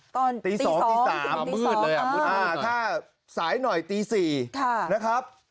ตอนตีสองตีสามตีสองเลยอ่ะอ่าถ้าสายหน่อยตีสี่ค่ะนะครับ